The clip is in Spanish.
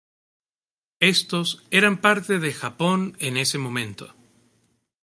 Estos eran parte de Japón en ese momento.